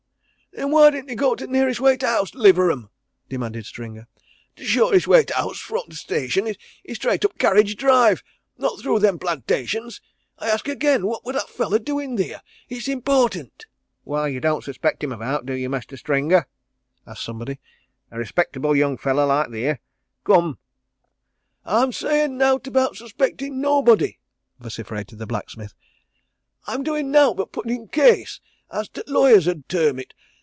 "Then why didn't he go t' nearest way to t' house t' 'liver 'em?" demanded Stringer. "T' shortest way to t' house fro' t' railway station is straight up t' carriage drive not through them plantations. I ax agen what wor that feller doin' theer? It's important." "Why, ye don't suspect him of owt, do yer, Mestur Stringer?" asked somebody. "A respectable young feller like that theer come!" "I'm sayin' nowt about suspectin' nobody!" vociferated the blacksmith. "I'm doin' nowt but puttin' a case, as t' lawyers 'ud term it.